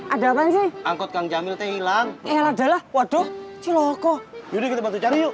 ada apaan sih angkut kang jamil hilang ya lah waduh ciloko dulu